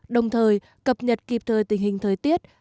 đồng thời cập nhật kịp thời tình hình thời tiết